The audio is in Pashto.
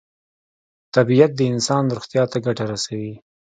طبیعت د انسان روغتیا ته ګټه رسوي.